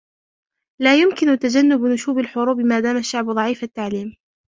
لا يمكن تجنب نشوب الحروب مادام الشعب ضعيف التعليم